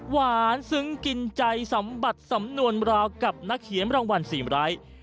หวานซึ้งกินใจสำบัดสำนวนราวกับนักเขียนรางวัลสีมร้าย